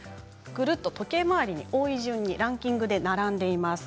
ぐるっと時計回りに多い順番にランキングで並んでいます。